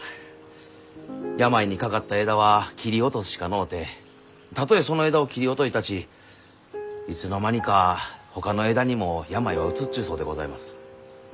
病にかかった枝は切り落とすしかのうてたとえその枝を切り落といたちいつの間にかほかの枝にも病はうつっちゅうそうでございます。